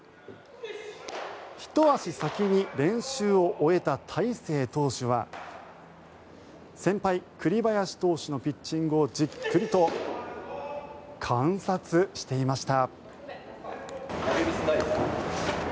ひと足先に練習を終えた大勢投手は先輩、栗林投手のピッチングをじっくり観察していました。